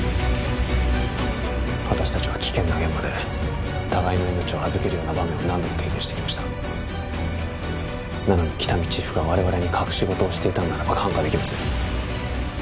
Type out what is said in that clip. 私達は危険な現場で互いの命を預けるような場面を何度も経験してきましたなのに喜多見チーフが我々に隠し事をしていたのならば看過できません